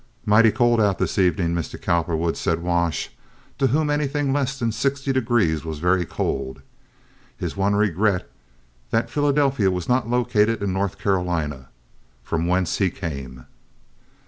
"Mahty cold out, dis evenin', Mistah Coppahwood," said Wash, to whom anything less than sixty degrees was very cold. His one regret was that Philadelphia was not located in North Carolina, from whence he came.